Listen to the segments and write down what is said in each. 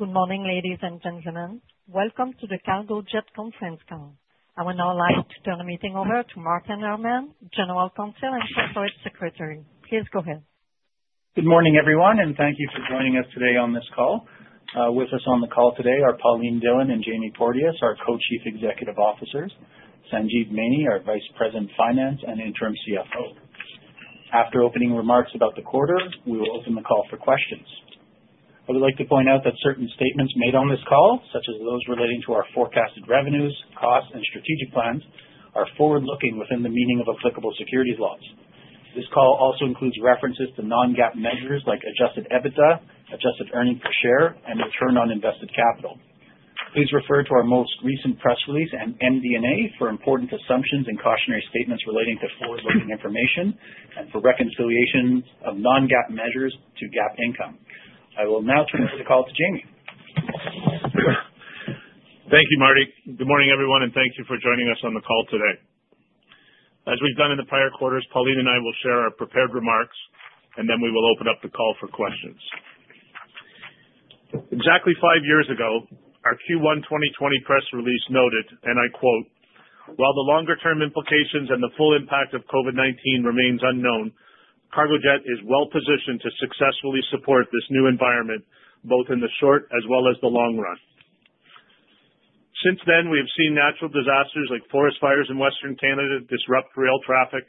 Good morning, ladies and gentlemen. Welcome to the Cargojet Conference Call. I will now like to turn the meeting over to Martin Herman, General Counsel and Corporate Secretary. Please go ahead. Good morning, everyone, and thank you for joining us today on this call. With us on the call today are Pauline Dhillon and Jamie Porteous, our Co-Chief Executive Officers, Sanjeev Maini, our Vice President of Finance, and Interim CFO. After opening remarks about the quarter, we will open the call for questions. I would like to point out that certain statements made on this call, such as those relating to our forecasted revenues, costs, and strategic plans, are forward-looking within the meaning of applicable securities laws. This call also includes references to non-GAAP measures like adjusted EBITDA, adjusted earnings per share, and return on invested capital. Please refer to our most recent press release and MD&A for important assumptions and cautionary statements relating to forward-looking information and for reconciliations of non-GAAP measures to GAAP income. I will now turn over the call to Jamie. Thank you, Martin. Good morning, everyone, and thank you for joining us on the call today. As we've done in the prior quarters, Pauline and I will share our prepared remarks, and then we will open up the call for questions. Exactly five years ago, our Q1 2020 press release noted, and I quote, "While the longer-term implications and the full impact of COVID-19 remains unknown, Cargojet is well-positioned to successfully support this new environment both in the short as well as the long run." Since then, we have seen natural disasters like forest fires in Western Canada disrupt rail traffic,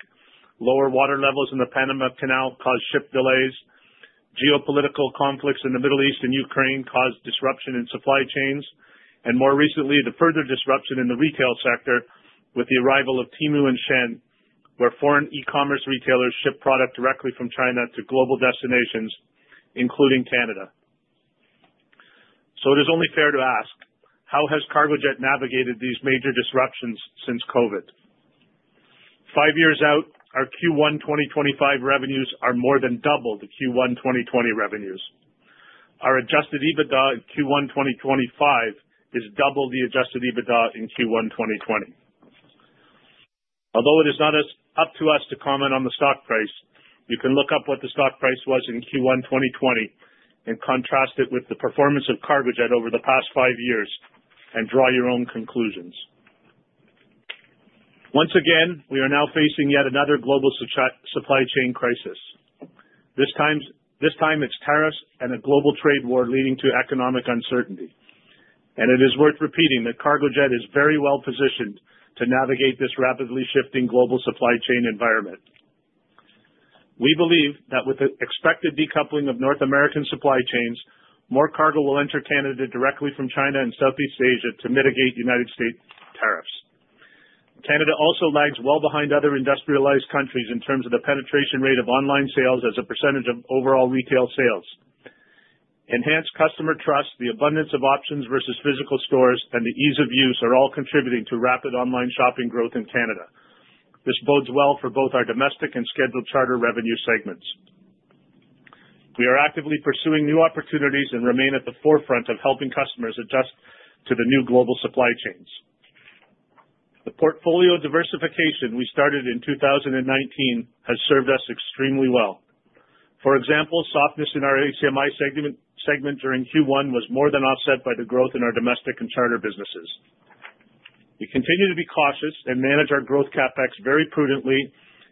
lower water levels in the Panama Canal cause ship delays, geopolitical conflicts in the Middle East and Ukraine cause disruption in supply chains, and more recently, the further disruption in the retail sector with the arrival of Temu and Shein, where foreign e-commerce retailers ship product directly from China to global destinations, including Canada. It is only fair to ask, how has Cargojet navigated these major disruptions since COVID? Five years out, our Q1 2025 revenues are more than double the Q1 2020 revenues. Our adjusted EBITDA in Q1 2025 is double the adjusted EBITDA in Q1 2020. Although it is not up to us to comment on the stock price, you can look up what the stock price was in Q1 2020 and contrast it with the performance of Cargojet over the past five years and draw your own conclusions. Once again, we are now facing yet another global supply chain crisis. This time, it is tariffs and a global trade war leading to economic uncertainty. It is worth repeating that Cargojet is very well-positioned to navigate this rapidly shifting global supply chain environment. We believe that with the expected decoupling of North American supply chains, more cargo will enter Canada directly from China and Southeast Asia to mitigate United States tariffs. Canada also lags well behind other industrialized countries in terms of the penetration rate of online sales as a percentage of overall retail sales. Enhanced customer trust, the abundance of options versus physical stores, and the ease of use are all contributing to rapid online shopping growth in Canada. This bodes well for both our domestic and scheduled charter revenue segments. We are actively pursuing new opportunities and remain at the forefront of helping customers adjust to the new global supply chains. The portfolio diversification we started in 2019 has served us extremely well. For example, softness in our HCMI segment during Q1 was more than offset by the growth in our domestic and charter businesses. We continue to be cautious and manage our growth CapEx very prudently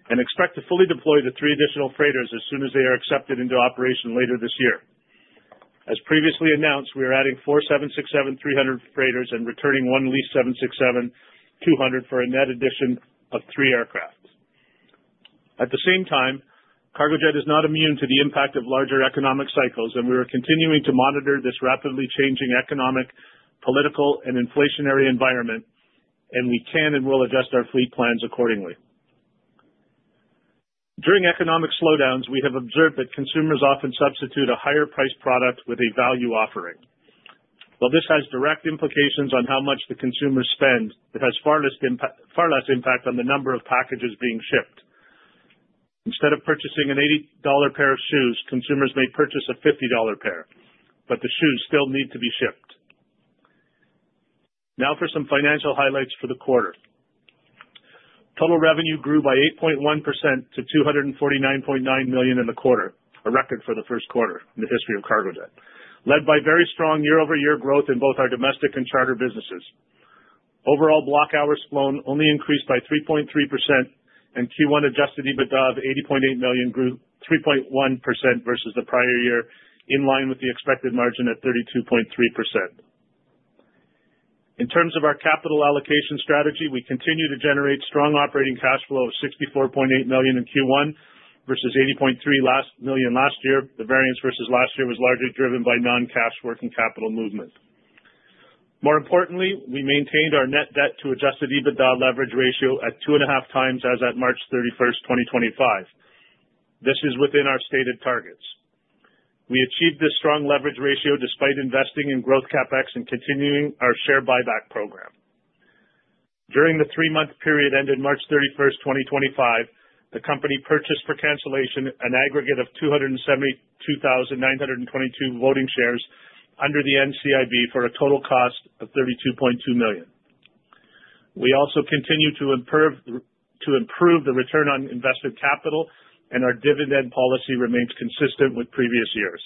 and expect to fully deploy the three additional freighters as soon as they are accepted into operation later this year. As previously announced, we are adding four 767-300 freighters and returning one leased 767-200 for a net addition of three aircraft. At the same time, Cargojet is not immune to the impact of larger economic cycles, and we are continuing to monitor this rapidly changing economic, political, and inflationary environment, and we can and will adjust our fleet plans accordingly. During economic slowdowns, we have observed that consumers often substitute a higher-priced product with a value offering. While this has direct implications on how much the consumers spend, it has far less impact on the number of packages being shipped. Instead of purchasing an $80 pair of shoes, consumers may purchase a $50 pair, but the shoes still need to be shipped. Now for some financial highlights for the quarter. Total revenue grew by 8.1% to 249.9 million in the quarter, a record for the first quarter in the history of Cargojet, led by very strong year-over-year growth in both our domestic and charter businesses. Overall block hours flown only increased by 3.3%, and Q1 adjusted EBITDA of 80.8 million grew 3.1% versus the prior year, in line with the expected margin at 32.3%. In terms of our capital allocation strategy, we continue to generate strong operating cash flow of 64.8 million in Q1 versus 80.3 million last year. The variance versus last year was largely driven by non-cash working capital movement. More importantly, we maintained our net debt to adjusted EBITDA leverage ratio at two and a half times as at March 31, 2025. This is within our stated targets. We achieved this strong leverage ratio despite investing in growth CapEx and continuing our share buyback program. During the three-month period ended March 31, 2025, the company purchased for cancellation an aggregate of 272,922 voting shares under the NCIB for a total cost of 32.2 million. We also continue to improve the return on invested capital, and our dividend policy remains consistent with previous years.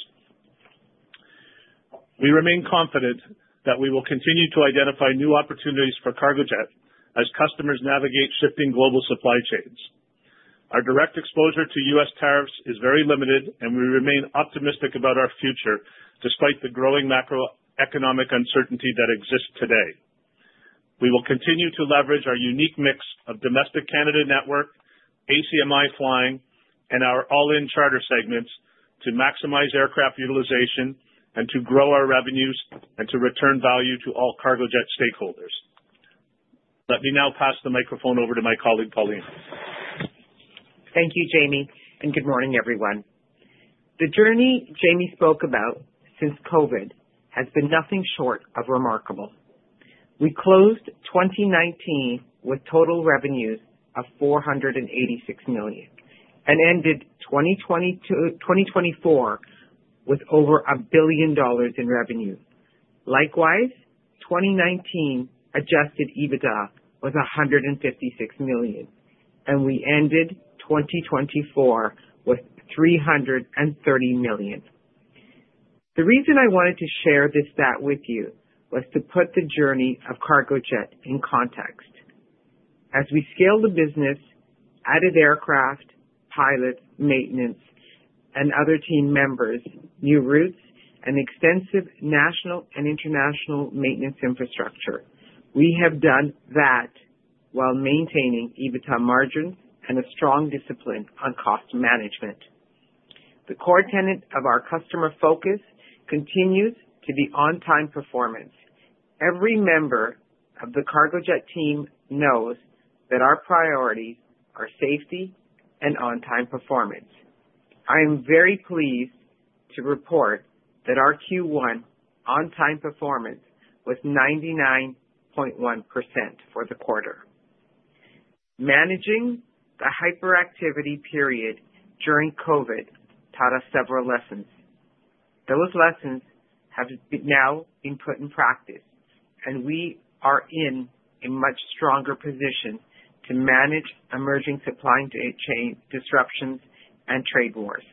We remain confident that we will continue to identify new opportunities for Cargojet as customers navigate shifting global supply chains. Our direct exposure to U.S. tariffs is very limited, and we remain optimistic about our future despite the growing macroeconomic uncertainty that exists today. We will continue to leverage our unique mix of domestic Canada network, HCMI flying, and our all-in charter segments to maximize aircraft utilization and to grow our revenues and to return value to all Cargojet stakeholders. Let me now pass the microphone over to my colleague, Pauline. Thank you, Jamie, and good morning, everyone. The journey Jamie spoke about since COVID has been nothing short of remarkable. We closed 2019 with total revenues of 486 million and ended 2024 with over 1 billion dollars in revenue. Likewise, 2019 adjusted EBITDA was 156 million, and we ended 2024 with 330 million. The reason I wanted to share this stat with you was to put the journey of Cargojet in context. As we scaled the business, added aircraft, pilots, maintenance, and other team members, new routes, and extensive national and international maintenance infrastructure, we have done that while maintaining EBITDA margins and a strong discipline on cost management. The core tenet of our customer focus continues to be on-time performance. Every member of the Cargojet team knows that our priorities are safety and on-time performance. I am very pleased to report that our Q1 on-time performance was 99.1% for the quarter. Managing the hyperactivity period during COVID taught us several lessons. Those lessons have now been put in practice, and we are in a much stronger position to manage emerging supply chain disruptions and trade wars.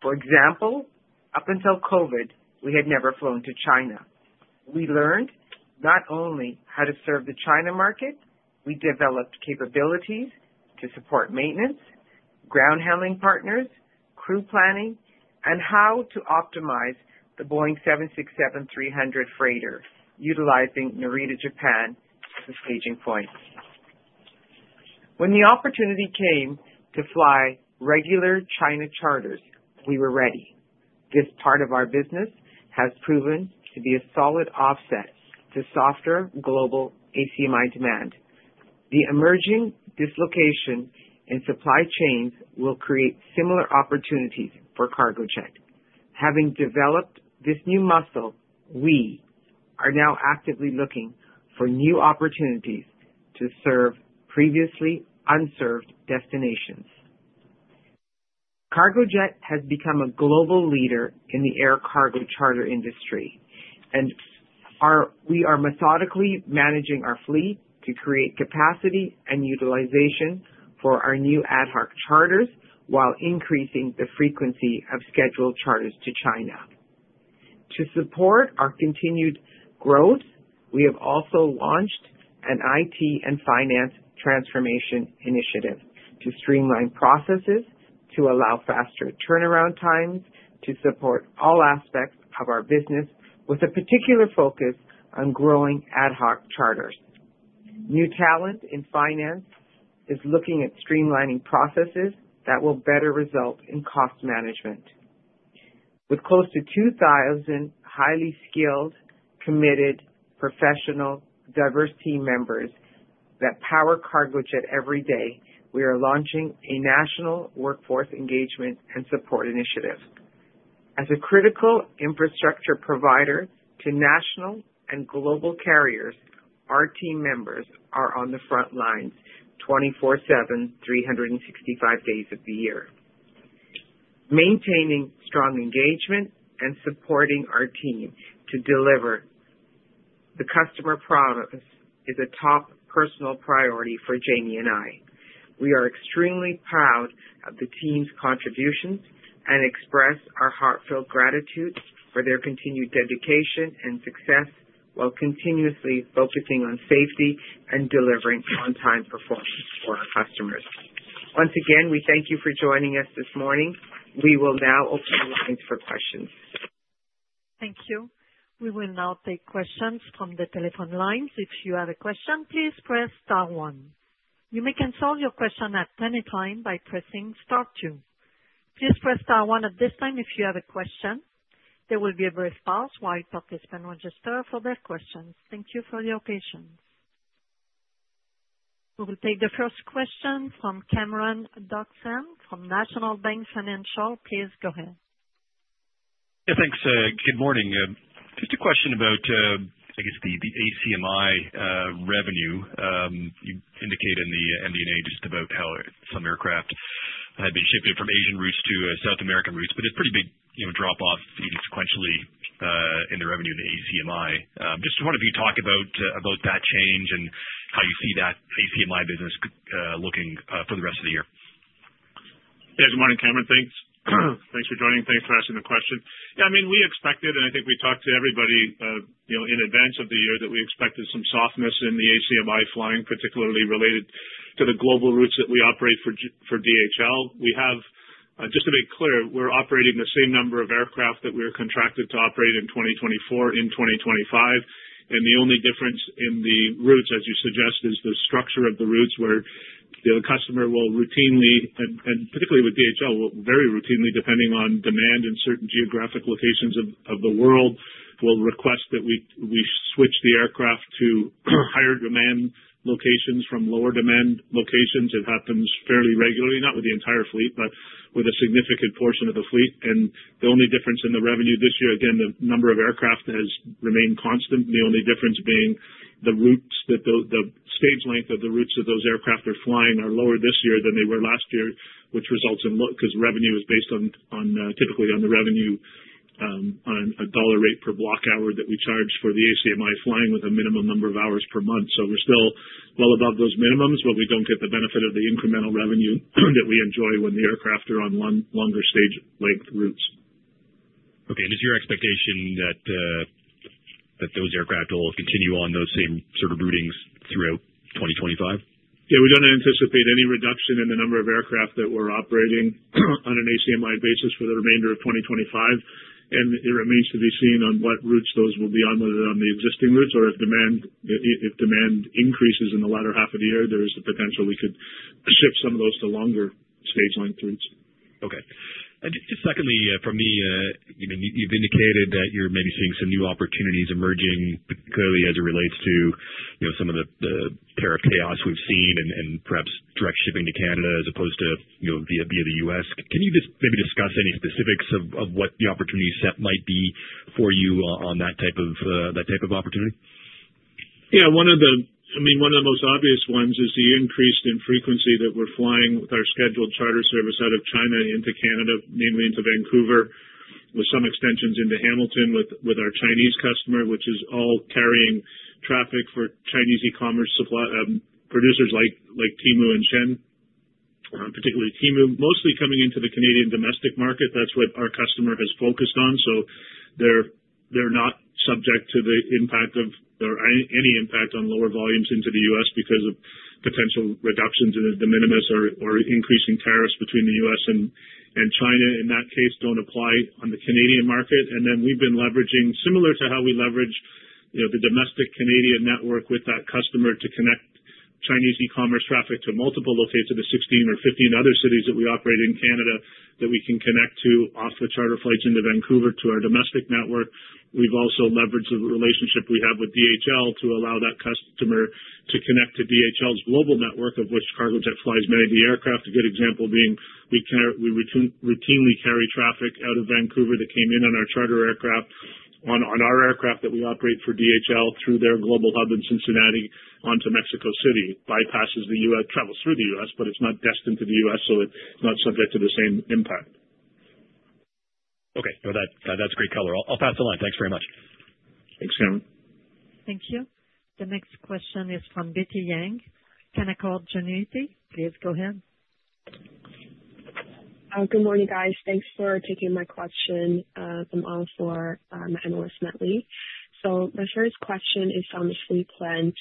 For example, up until COVID, we had never flown to China. We learned not only how to serve the China market, we developed capabilities to support maintenance, ground handling partners, crew planning, and how to optimize the Boeing 767-300 freighter utilizing Narita, Japan, as a staging point. When the opportunity came to fly regular China charters, we were ready. This part of our business has proven to be a solid offset to softer global HCMI demand. The emerging dislocation in supply chains will create similar opportunities for Cargojet. Having developed this new muscle, we are now actively looking for new opportunities to serve previously unserved destinations. Cargojet has become a global leader in the air cargo charter industry, and we are methodically managing our fleet to create capacity and utilization for our new ad hoc charters while increasing the frequency of scheduled charters to China. To support our continued growth, we have also launched an IT and finance transformation initiative to streamline processes, to allow faster turnaround times, to support all aspects of our business, with a particular focus on growing ad hoc charters. New talent in finance is looking at streamlining processes that will better result in cost management. With close to 2,000 highly skilled, committed, professional, diverse team members that power Cargojet every day, we are launching a national workforce engagement and support initiative. As a critical infrastructure provider to national and global carriers, our team members are on the front lines 24/7, 365 days of the year. Maintaining strong engagement and supporting our team to deliver the customer promise is a top personal priority for Jamie and I. We are extremely proud of the team's contributions and express our heartfelt gratitude for their continued dedication and success while continuously focusing on safety and delivering on-time performance for our customers. Once again, we thank you for joining us this morning. We will now open the lines for questions. Thank you. We will now take questions from the telephone lines. If you have a question, please press star one. You may cancel your question at any time by pressing star two. Please press star one at this time if you have a question. There will be a brief pause while participants register for their questions. Thank you for your patience. We will take the first question from Cameron Doerksen from National Bank Financial. Please go ahead. Yeah, thanks. Good morning. Just a question about, I guess, the HCMI revenue. You indicated in the MD&A just about how some aircraft had been shipped from Asian routes to South American routes, but it's a pretty big drop-off sequentially in the revenue of the HCMI. Just wanted to hear you talk about that change and how you see that HCMI business looking for the rest of the year. Yeah, good morning, Cameron. Thanks. Thanks for joining. Thanks for asking the question. Yeah, I mean, we expected, and I think we talked to everybody in advance of the year, that we expected some softness in the HCMI flying, particularly related to the global routes that we operate for DHL. We have, just to make clear, we're operating the same number of aircraft that we were contracted to operate in 2024 and 2025. The only difference in the routes, as you suggest, is the structure of the routes where the customer will routinely, and particularly with DHL, will very routinely, depending on demand in certain geographic locations of the world, will request that we switch the aircraft to higher demand locations from lower demand locations. It happens fairly regularly, not with the entire fleet, but with a significant portion of the fleet. The only difference in the revenue this year, again, the number of aircraft has remained constant, the only difference being the routes that the stage length of the routes of those aircraft are flying are lower this year than they were last year, which results in because revenue is based on typically on the revenue on a dollar rate per block hour that we charge for the HCMI flying with a minimum number of hours per month. We are still well above those minimums, but we do not get the benefit of the incremental revenue that we enjoy when the aircraft are on longer stage length routes. Okay. Is your expectation that those aircraft will continue on those same sort of routings throughout 2025? Yeah, we do not anticipate any reduction in the number of aircraft that we are operating on an HCMI basis for the remainder of 2025. It remains to be seen on what routes those will be on, whether they are on the existing routes or if demand increases in the latter half of the year, there is the potential we could shift some of those to longer stage length routes. Okay. Just secondly, you've indicated that you're maybe seeing some new opportunities emerging, particularly as it relates to some of the tariff chaos we've seen and perhaps direct shipping to Canada as opposed to via the U.S. Can you just maybe discuss any specifics of what the opportunities might be for you on that type of opportunity? Yeah. I mean, one of the most obvious ones is the increased frequency that we're flying with our scheduled charter service out of China into Canada, mainly into Vancouver, with some extensions into Hamilton with our Chinese customer, which is all carrying traffic for Chinese e-commerce producers like Temu and Shein, particularly Temu, mostly coming into the Canadian domestic market. That's what our customer has focused on. So they're not subject to the impact of or any impact on lower volumes into the U.S. because of potential reductions in the de minimis or increasing tariffs between the U.S. and China, in that case, don't apply on the Canadian market. We have been leveraging, similar to how we leverage the domestic Canadian network with that customer, to connect Chinese e-commerce traffic to multiple locations of the 16 or 15 other cities that we operate in Canada that we can connect to off the charter flights into Vancouver to our domestic network. We have also leveraged the relationship we have with DHL to allow that customer to connect to DHL's global network, of which Cargojet flies many of the aircraft. A good example being we routinely carry traffic out of Vancouver that came in on our charter aircraft on our aircraft that we operate for DHL through their global hub in Cincinnati onto Mexico City. It bypasses the U.S., travels through the U.S., but it is not destined to the U.S., so it is not subject to the same impact. Okay. No, that's great color. I'll pass the line. Thanks very much. Thanks, Cameron. Thank you. The next question is from Betty Yang, Canaccord Genuity. Please go ahead. Good morning, guys. Thanks for taking my question from all for my analyst, Matt Lee. My first question is on the fleet plan.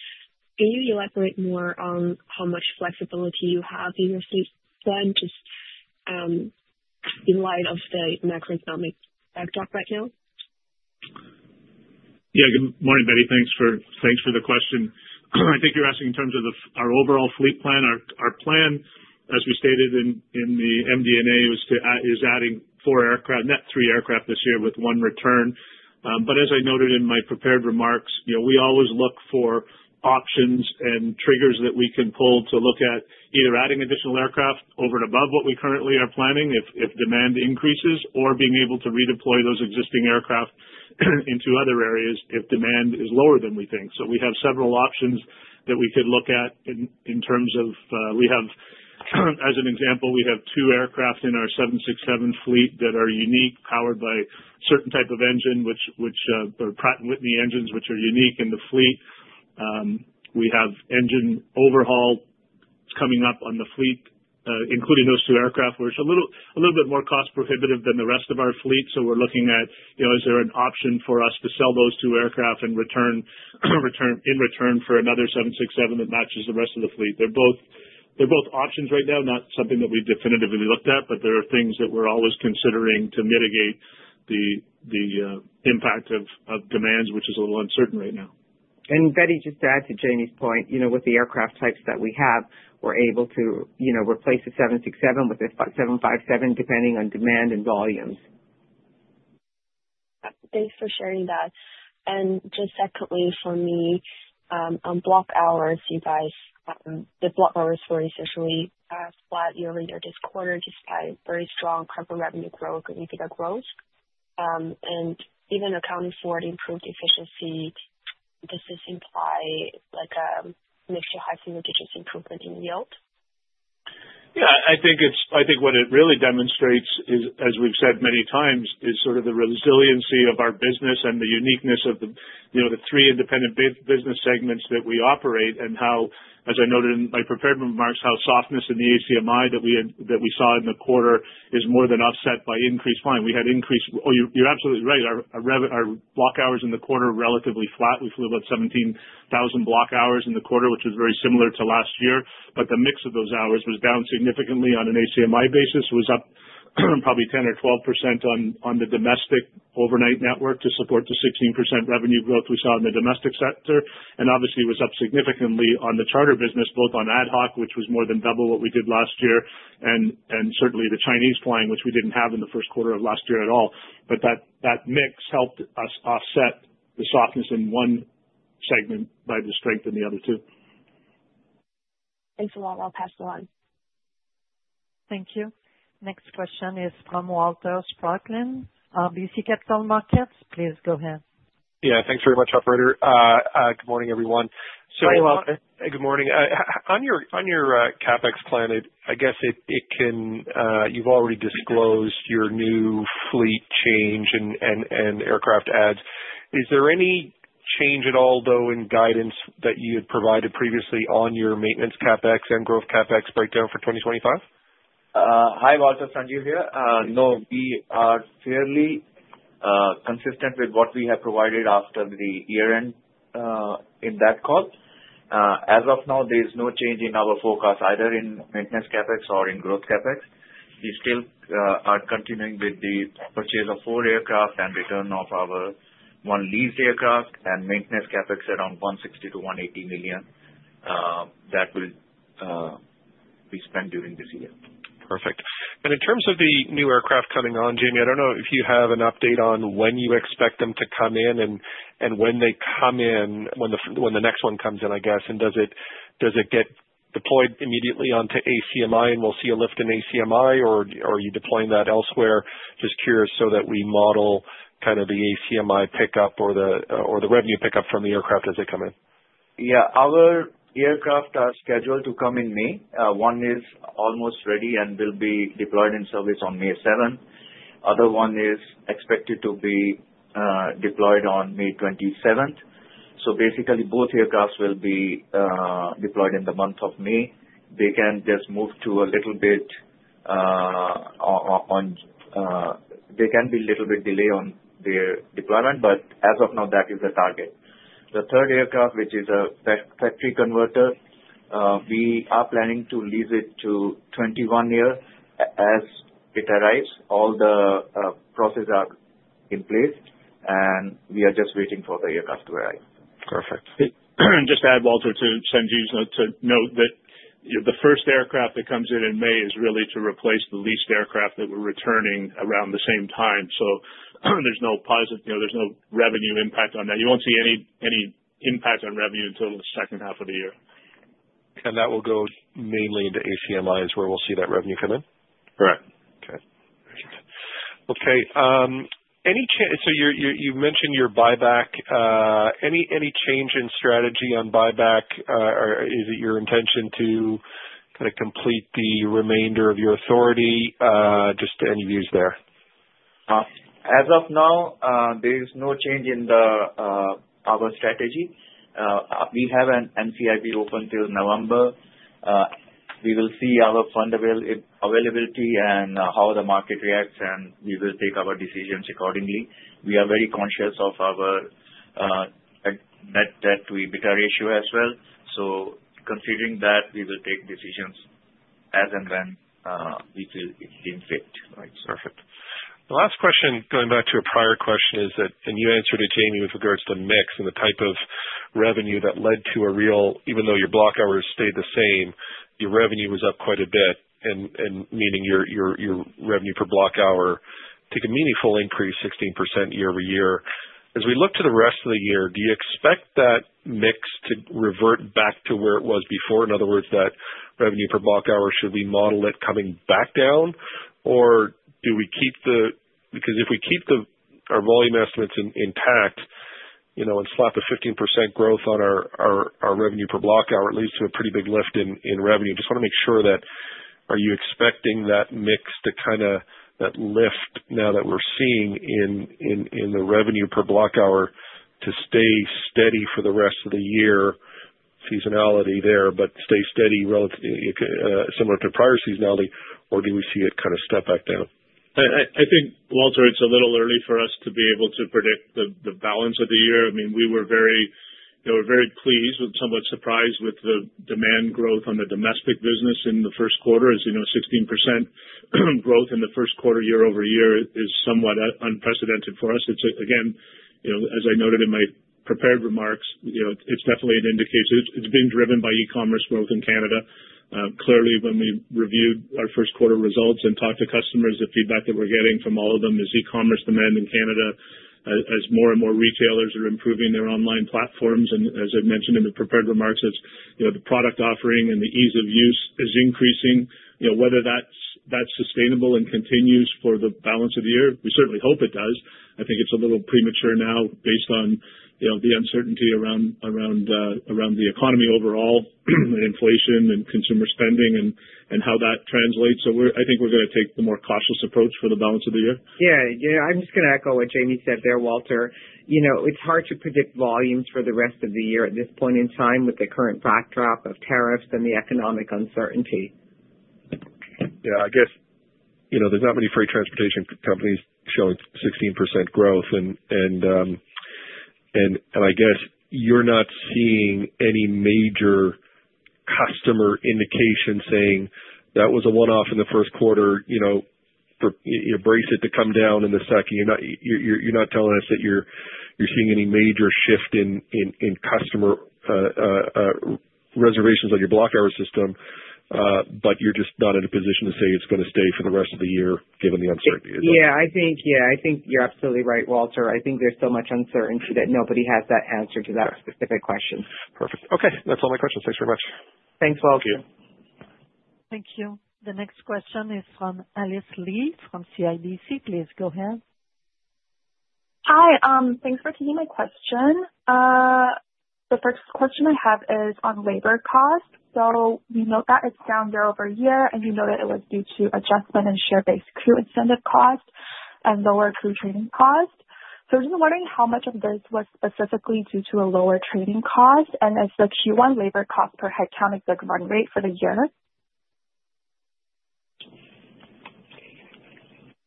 Can you elaborate more on how much flexibility you have in your fleet plan just in light of the macroeconomic backdrop right now? Yeah. Good morning, Betty. Thanks for the question. I think you're asking in terms of our overall fleet plan. Our plan, as we stated in the MD&A, is adding four aircraft, net three aircraft this year with one return. As I noted in my prepared remarks, we always look for options and triggers that we can pull to look at either adding additional aircraft over and above what we currently are planning if demand increases or being able to redeploy those existing aircraft into other areas if demand is lower than we think. We have several options that we could look at in terms of we have, as an example, two aircraft in our 767 fleet that are unique, powered by a certain type of engine, which are Pratt & Whitney engines, which are unique in the fleet. We have engine overhaul coming up on the fleet, including those two aircraft, which are a little bit more cost-prohibitive than the rest of our fleet. We are looking at, is there an option for us to sell those two aircraft in return for another 767 that matches the rest of the fleet? They are both options right now, not something that we have definitively looked at, but there are things that we are always considering to mitigate the impact of demands, which is a little uncertain right now. Betty, just to add to Jamie's point, with the aircraft types that we have, we're able to replace the 767 with a 757 depending on demand and volumes. Thanks for sharing that. Just secondly, for me, on block hours, the block hours were essentially flat year-to-year this quarter despite very strong cargo revenue growth and EBITDA growth. Even accounting for the improved efficiency, does this imply a mixture of high single-digit improvement in yield? Yeah. I think what it really demonstrates, as we've said many times, is sort of the resiliency of our business and the uniqueness of the three independent business segments that we operate and how, as I noted in my prepared remarks, how softness in the HCMI that we saw in the quarter is more than offset by increased flying. We had increased—oh, you're absolutely right. Our block hours in the quarter are relatively flat. We flew about 17,000 block hours in the quarter, which was very similar to last year. But the mix of those hours was down significantly on an HCMI basis. It was up probably 10% or 12% on the domestic overnight network to support the 16% revenue growth we saw in the domestic sector. It was up significantly on the charter business, both on ad hoc, which was more than double what we did last year, and certainly the Chinese flying, which we did not have in the first quarter of last year at all. That mix helped us offset the softness in one segment by the strength in the other two. Thanks a lot. I'll pass the line. Thank you. Next question is from Walter Spracklin, BMO Capital Markets, please go ahead. Yeah. Thanks very much, Operator. Good morning, everyone. Hi, Walter. Good morning. On your CapEx plan, I guess you've already disclosed your new fleet change and aircraft adds. Is there any change at all, though, in guidance that you had provided previously on your maintenance CapEx and growth CapEx breakdown for 2025? Hi, Walter. Sanjeev here. No, we are fairly consistent with what we have provided after the year-end in that call. As of now, there is no change in our forecast, either in maintenance CapEx or in growth CapEx. We still are continuing with the purchase of four aircraft and return of our one leased aircraft and maintenance CapEx around 160 million-180 million that will be spent during this year. Perfect. In terms of the new aircraft coming on, Jamie, I don't know if you have an update on when you expect them to come in and when they come in, when the next one comes in, I guess. Does it get deployed immediately onto HCMI, and we'll see a lift in HCMI, or are you deploying that elsewhere? Just curious so that we model kind of the HCMI pickup or the revenue pickup from the aircraft as they come in. Yeah. Our aircraft are scheduled to come in May. One is almost ready and will be deployed in service on May 7th. The other one is expected to be deployed on May 27th. Basically, both aircraft will be deployed in the month of May. They can just move to a little bit on, they can be a little bit delayed on their deployment, but as of now, that is the target. The third aircraft, which is a factory converter, we are planning to lease it to 21 years as it arrives. All the processes are in place, and we are just waiting for the aircraft to arrive. Perfect. Just to add, Walter, to Sanjeev's note, to note that the first aircraft that comes in in May is really to replace the leased aircraft that we're returning around the same time. There is no positive—there is no revenue impact on that. You will not see any impact on revenue until the second half of the year. That will go mainly into HCMI where we'll see that revenue come in? Correct. Okay. Okay. You mentioned your buyback. Any change in strategy on buyback? Is it your intention to kind of complete the remainder of your authority? Just any views there. As of now, there is no change in our strategy. We have an NCIB open till November. We will see our fund availability and how the market reacts, and we will take our decisions accordingly. We are very conscious of our net debt to EBITDA ratio as well. Considering that, we will take decisions as and when we feel it's in fit. Perfect. The last question, going back to a prior question, is that—you answered it, Jamie, with regards to mix and the type of revenue that led to a real—even though your block hours stayed the same, your revenue was up quite a bit, meaning your revenue per block hour took a meaningful increase, 16% year over year. As we look to the rest of the year, do you expect that mix to revert back to where it was before? In other words, that revenue per block hour, should we model it coming back down, or do we keep the—because if we keep our volume estimates intact and slap a 15% growth on our revenue per block hour, it leads to a pretty big lift in revenue. Just want to make sure that—are you expecting that mix to kind of—that lift now that we're seeing in the revenue per block hour to stay steady for the rest of the year, seasonality there, but stay steady similar to prior seasonality, or do we see it kind of step back down? I think, Walter, it's a little early for us to be able to predict the balance of the year. I mean, we were very pleased with, somewhat surprised with, the demand growth on the domestic business in the first quarter. As you know, 16% growth in the first quarter year over year is somewhat unprecedented for us. Again, as I noted in my prepared remarks, it's definitely an indicator. It's been driven by e-commerce growth in Canada. Clearly, when we reviewed our first quarter results and talked to customers, the feedback that we're getting from all of them is e-commerce demand in Canada, as more and more retailers are improving their online platforms. As I mentioned in the prepared remarks, the product offering and the ease of use is increasing. Whether that's sustainable and continues for the balance of the year, we certainly hope it does. I think it's a little premature now based on the uncertainty around the economy overall and inflation and consumer spending and how that translates. I think we're going to take the more cautious approach for the balance of the year. Yeah. Yeah. I'm just going to echo what Jamie said there, Walter. It's hard to predict volumes for the rest of the year at this point in time with the current backdrop of tariffs and the economic uncertainty. Yeah. I guess there's not many freight transportation companies showing 16% growth. I guess you're not seeing any major customer indication saying, "That was a one-off in the first quarter. Brace it to come down in the second." You're not telling us that you're seeing any major shift in customer reservations on your block hour system, but you're just not in a position to say it's going to stay for the rest of the year given the uncertainty. Yeah. Yeah. I think you're absolutely right, Walter. I think there's so much uncertainty that nobody has that answer to that specific question. Perfect. Okay. That's all my questions. Thanks very much. Thanks, Walter. Thank you. The next question is from Alice Lee from CIBC. Please go ahead. Hi. Thanks for taking my question. The first question I have is on labor costs. We note that it's down year over year, and we know that it was due to adjustment in share-based crew incentive costs and lower crew training costs. I'm just wondering how much of this was specifically due to a lower training cost and if the Q1 labor cost per head count is the run rate for the year.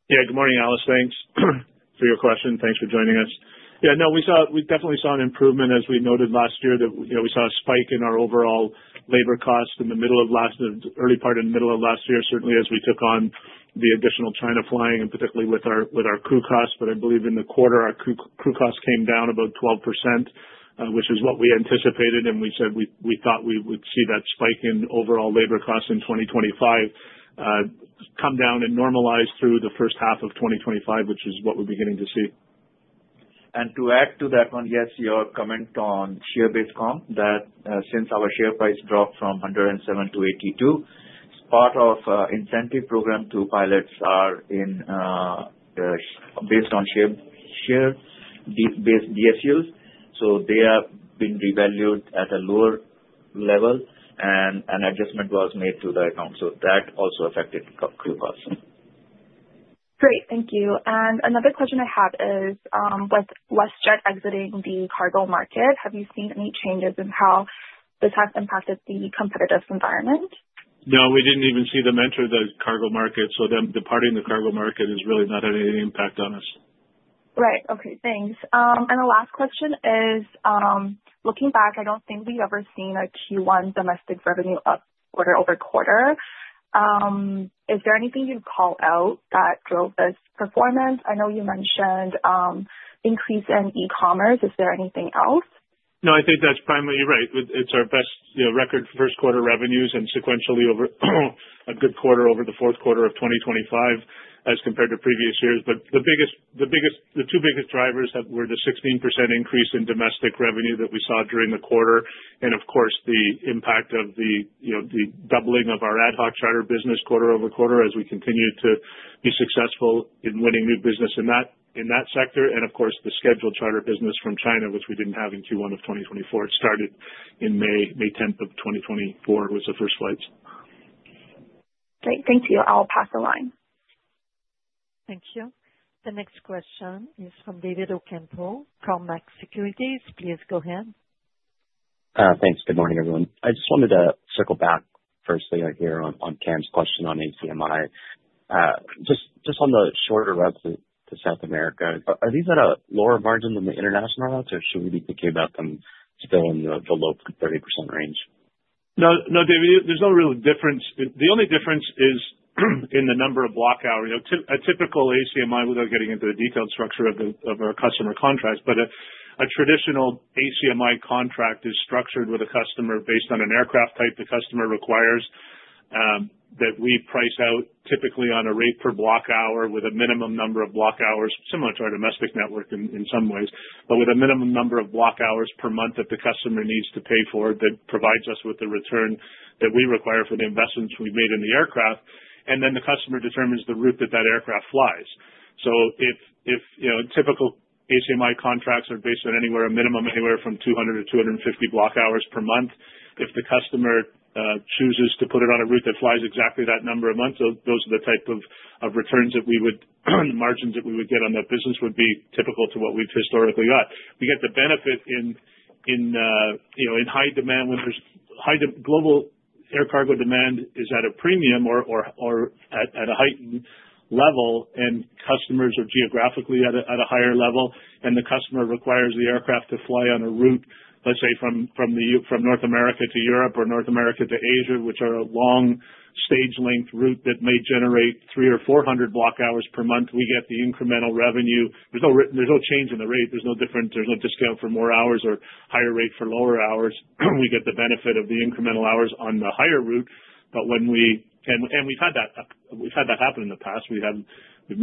Yeah. Good morning, Alice. Thanks for your question. Thanks for joining us. Yeah. No, we definitely saw an improvement as we noted last year that we saw a spike in our overall labor costs in the early part of the middle of last year, certainly as we took on the additional China flying and particularly with our crew costs. I believe in the quarter, our crew costs came down about 12%, which is what we anticipated. We said we thought we would see that spike in overall labor costs in 2025 come down and normalize through the first half of 2025, which is what we will be getting to see. To add to that one, yes, your comment on share-based comp, that since our share price dropped from 107 to 82, part of the incentive program to pilots are based on share-based DSUs. They have been revalued at a lower level, and an adjustment was made to the account. That also affected crew costs. Great. Thank you. Another question I have is, with WestJet exiting the cargo market, have you seen any changes in how this has impacted the competitive environment? No, we didn't even see them enter the cargo market. So them departing the cargo market has really not had any impact on us. Right. Okay. Thanks. The last question is, looking back, I do not think we have ever seen a Q1 domestic revenue up quarter over quarter. Is there anything you would call out that drove this performance? I know you mentioned increase in e-commerce. Is there anything else? No, I think that's primarily right. It's our best record for first quarter revenues and sequentially over a good quarter over the fourth quarter of 2025 as compared to previous years. The two biggest drivers were the 16% increase in domestic revenue that we saw during the quarter and, of course, the impact of the doubling of our ad hoc charter business quarter over quarter as we continue to be successful in winning new business in that sector. The scheduled charter business from China, which we didn't have in Q1 of 2024, started in May, May 10th of 2024 with the first flights. Great. Thank you. I'll pass the line. Thank you. The next question is from David Ocampo from Cormark Securities. Please go ahead. Thanks. Good morning, everyone. I just wanted to circle back firstly here on Cam's question on HCMI. Just on the shorter routes to South America, are these at a lower margin than the international routes, or should we be thinking about them still in the low 30% range? No, David, there's no real difference. The only difference is in the number of block hours. A typical HCMI, without getting into the detailed structure of our customer contracts, but a traditional HCMI contract is structured with a customer based on an aircraft type the customer requires that we price out typically on a rate per block hour with a minimum number of block hours, similar to our domestic network in some ways, but with a minimum number of block hours per month that the customer needs to pay for that provides us with the return that we require for the investments we've made in the aircraft. The customer determines the route that that aircraft flies. If typical HCMI contracts are based on a minimum anywhere from 200-250 block hours per month, if the customer chooses to put it on a route that flies exactly that number a month, those are the type of returns that we would, the margins that we would get on that business would be typical to what we've historically got. We get the benefit in high demand when global air cargo demand is at a premium or at a heightened level and customers are geographically at a higher level, and the customer requires the aircraft to fly on a route, let's say, from North America to Europe or North America to Asia, which are a long stage-length route that may generate 300 or 400 block hours per month, we get the incremental revenue. There's no change in the rate. There's no discount for more hours or higher rate for lower hours. We get the benefit of the incremental hours on the higher route. We've had that happen in the past. We've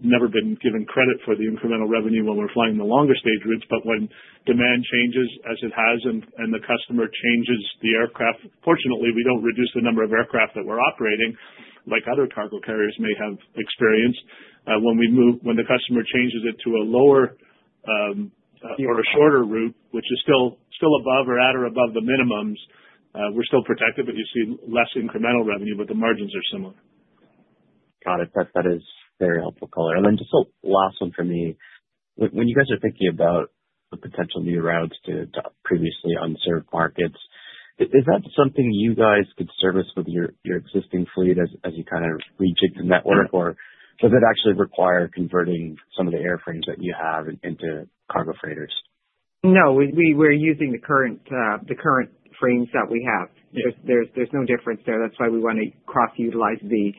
never been given credit for the incremental revenue when we're flying the longer stage routes. When demand changes as it has and the customer changes the aircraft—fortunately, we don't reduce the number of aircraft that we're operating, like other cargo carriers may have experienced. When the customer changes it to a lower or a shorter route, which is still at or above the minimums, we're still protected, but you see less incremental revenue, but the margins are similar. Got it. That is very helpful, color. Just a last one for me. When you guys are thinking about the potential new routes to previously unserved markets, is that something you guys could service with your existing fleet as you kind of rejig the network? Or does it actually require converting some of the airframes that you have into cargo freighters? No, we're using the current frames that we have. There's no difference there. That's why we want to cross-utilize the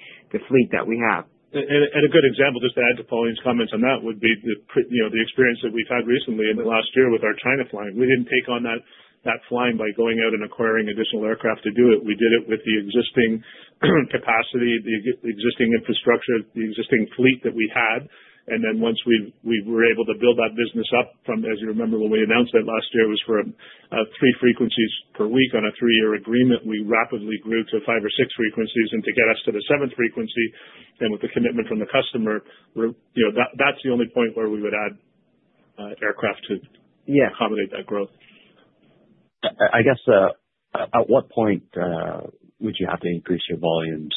fleet that we have. A good example just to add to Pauline's comments on that would be the experience that we've had recently in the last year with our China flying. We didn't take on that flying by going out and acquiring additional aircraft to do it. We did it with the existing capacity, the existing infrastructure, the existing fleet that we had. Once we were able to build that business up from, as you remember, when we announced that last year, it was for three frequencies per week on a three-year agreement, we rapidly grew to five or six frequencies. To get us to the seventh frequency, and with the commitment from the customer, that's the only point where we would add aircraft to accommodate that growth. I guess, at what point would you have to increase your volumes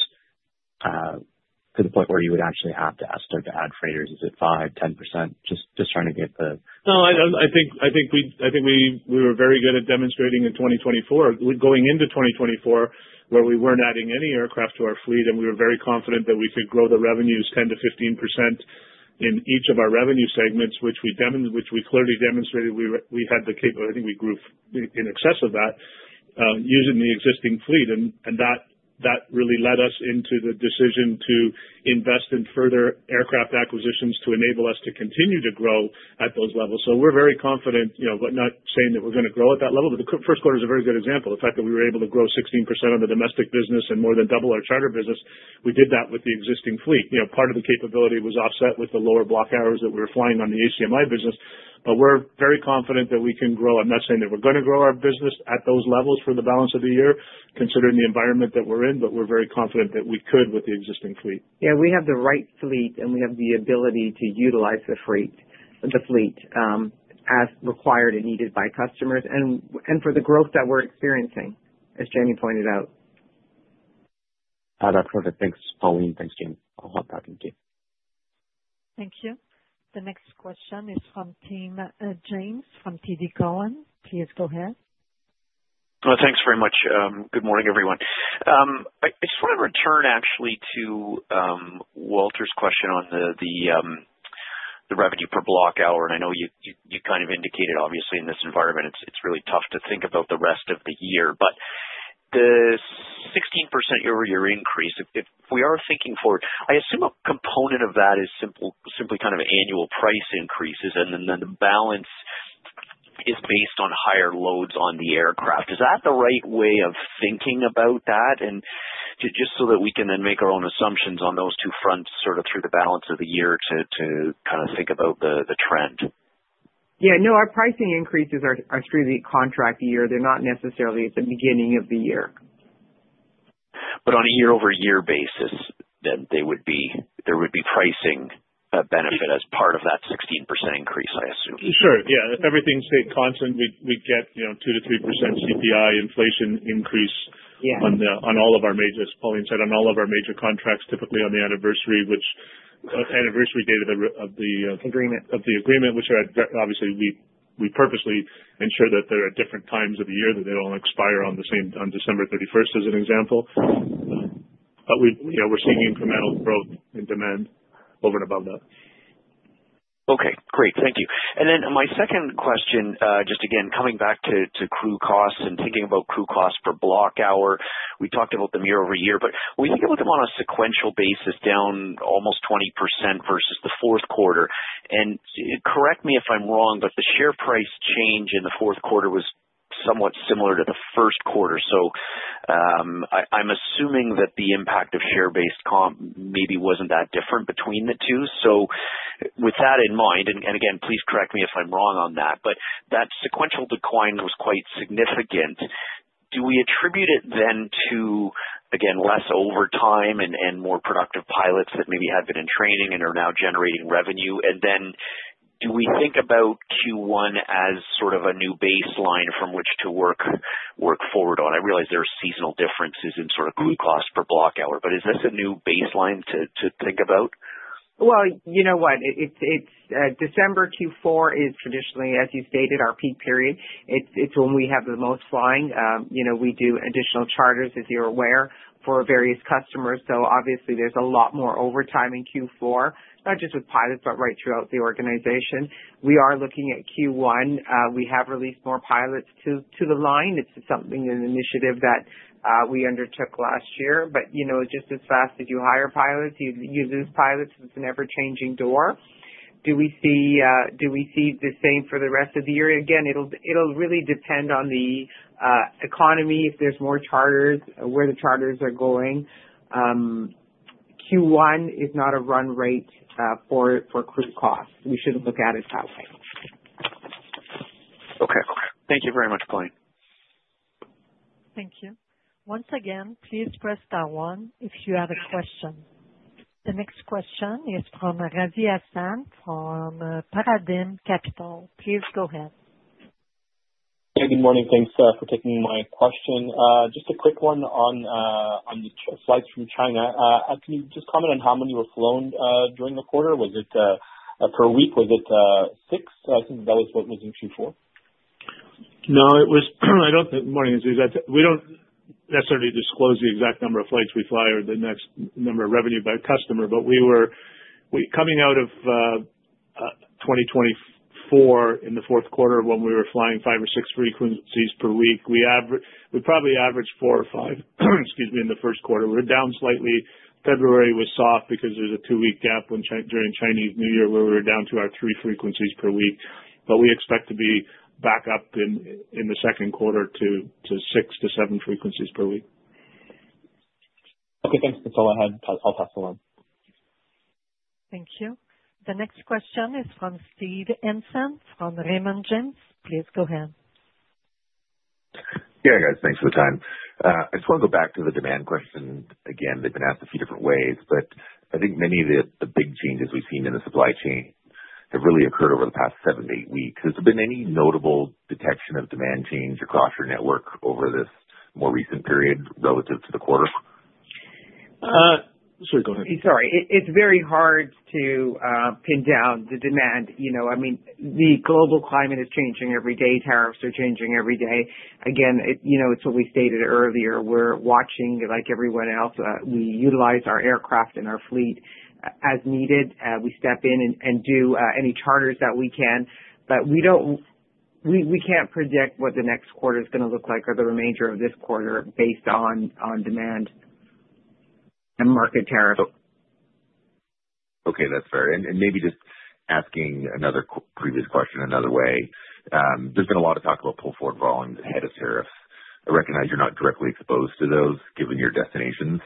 to the point where you would actually have to ask them to add freighters? Is it 5%, 10%? Just trying to get the. No, I think we were very good at demonstrating in 2024, going into 2024, where we were not adding any aircraft to our fleet, and we were very confident that we could grow the revenues 10-15% in each of our revenue segments, which we clearly demonstrated we had the capability. I think we grew in excess of that using the existing fleet. That really led us into the decision to invest in further aircraft acquisitions to enable us to continue to grow at those levels. We are very confident but not saying that we are going to grow at that level. The first quarter is a very good example. The fact that we were able to grow 16% on the domestic business and more than double our charter business, we did that with the existing fleet. Part of the capability was offset with the lower block hours that we were flying on the HCMI business. We are very confident that we can grow. I am not saying that we are going to grow our business at those levels for the balance of the year, considering the environment that we are in, but we are very confident that we could with the existing fleet. Yeah. We have the right fleet, and we have the ability to utilize the fleet as required and needed by customers and for the growth that we're experiencing, as Jamie pointed out. Add that quarter. Thanks, Pauline. Thanks, Jamie. I'll hop back in too. Thank you. The next question is from Tim James from TD Cowen. Please go ahead. Thanks very much. Good morning, everyone. I just want to return actually to Walter's question on the revenue per block hour. I know you kind of indicated, obviously, in this environment, it's really tough to think about the rest of the year. The 16% over year increase, if we are thinking forward, I assume a component of that is simply kind of annual price increases, and then the balance is based on higher loads on the aircraft. Is that the right way of thinking about that? Just so that we can then make our own assumptions on those two fronts sort of through the balance of the year to kind of think about the trend. Yeah. No, our pricing increases are through the contract year. They're not necessarily at the beginning of the year. On a year-over-year basis, then there would be pricing benefit as part of that 16% increase, I assume. Sure. Yeah. If everything stayed constant, we'd get 2-3% CPI inflation increase on all of our majors, Pauline said, on all of our major contracts, typically on the anniversary date of the. Agreement. Of the agreement, which obviously we purposely ensure that there are different times of the year that they do not expire on December 31 as an example. We are seeing incremental growth in demand over and above that. Okay. Great. Thank you. My second question, just again, coming back to crew costs and thinking about crew costs per block hour. We talked about them year over year. We think about them on a sequential basis, down almost 20% versus the fourth quarter. Correct me if I'm wrong, but the share price change in the fourth quarter was somewhat similar to the first quarter. I'm assuming that the impact of share-based comp maybe was not that different between the two. With that in mind, and again, please correct me if I'm wrong on that, that sequential decline was quite significant. Do we attribute it then to, again, less overtime and more productive pilots that maybe had been in training and are now generating revenue? Do we think about Q1 as sort of a new baseline from which to work forward on? I realize there are seasonal differences in sort of crew cost per block hour, but is this a new baseline to think about? You know what? December Q4 is traditionally, as you stated, our peak period. It is when we have the most flying. We do additional charters, as you are aware, for various customers. Obviously, there is a lot more overtime in Q4, not just with pilots, but right throughout the organization. We are looking at Q1. We have released more pilots to the line. It is something, an initiative that we undertook last year. Just as fast as you hire pilots, you lose pilots. It is an ever-changing door. Do we see the same for the rest of the year? Again, it will really depend on the economy, if there are more charters, where the charters are going. Q1 is not a run rate for crew costs. We should not look at it that way. Okay. Thank you very much, Pauline. Thank you. Once again, please press star one if you have a question. The next question is from Riaaz Hasan from Paradigm Capital. Please go ahead. Hey, good morning. Thanks for taking my question. Just a quick one on the flights from China. Can you just comment on how many were flown during the quarter? Was it per week? Was it six? I think that was what was in Q4. No, I don't think, morning is, we don't necessarily disclose the exact number of flights we fly or the exact number of revenue by customer, but we were coming out of 2024 in the fourth quarter when we were flying five or six frequencies per week. We probably averaged four or five, excuse me, in the first quarter. We were down slightly. February was soft because there's a two-week gap during Chinese New Year where we were down to our three frequencies per week. We expect to be back up in the second quarter to six to seven frequencies per week. Okay. Thanks, Nicole. I'll pass the line. Thank you. The next question is from Steve Hansen from Raymond James. Please go ahead. Yeah, guys. Thanks for the time. I just want to go back to the demand question again. They've been asked a few different ways, but I think many of the big changes we've seen in the supply chain have really occurred over the past seven, eight weeks. Has there been any notable detection of demand change across your network over this more recent period relative to the quarter? Sure. Go ahead. Sorry. It's very hard to pin down the demand. I mean, the global climate is changing every day. Tariffs are changing every day. Again, it's what we stated earlier. We're watching like everyone else. We utilize our aircraft and our fleet as needed. We step in and do any charters that we can. We can't predict what the next quarter is going to look like or the remainder of this quarter based on demand and market tariffs. Okay. That's fair. Maybe just asking another previous question another way. There's been a lot of talk about pull forward volumes ahead of tariffs. I recognize you're not directly exposed to those given your destinations.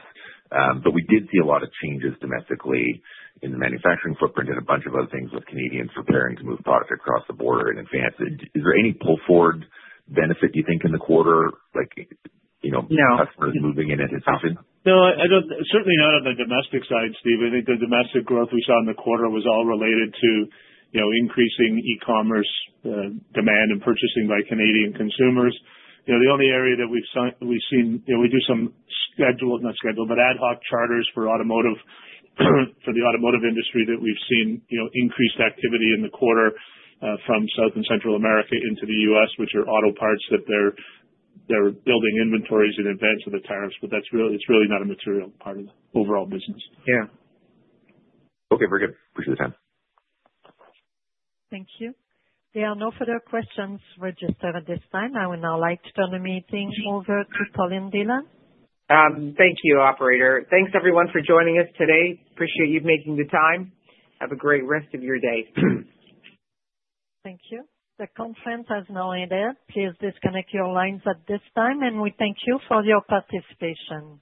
We did see a lot of changes domestically in the manufacturing footprint and a bunch of other things with Canadians preparing to move product across the border in advance. Is there any pull forward benefit, do you think, in the quarter? Like customers moving in anticipation? No, certainly not on the domestic side, Steve. I think the domestic growth we saw in the quarter was all related to increasing e-commerce demand and purchasing by Canadian consumers. The only area that we've seen, we do some scheduled, not scheduled, but ad hoc charters for the automotive industry that we've seen increased activity in the quarter from South and Central America into the U.S., which are auto parts that they're building inventories in advance of the tariffs. It is really not a material part of the overall business. Yeah. Okay. Very good. Appreciate the time. Thank you. There are no further questions registered at this time. I would now like to turn the meeting over to Pauline Dhillon. Thank you, Operator. Thanks, everyone, for joining us today. Appreciate you making the time. Have a great rest of your day. Thank you. The conference has now ended. Please disconnect your lines at this time, and we thank you for your participation.